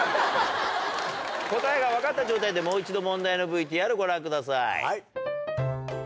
答えが分かった状態でもう一度問題のＶＴＲご覧ください。